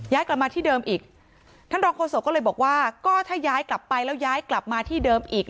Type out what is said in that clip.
กลับมาที่เดิมอีกท่านรองโฆษกก็เลยบอกว่าก็ถ้าย้ายกลับไปแล้วย้ายกลับมาที่เดิมอีก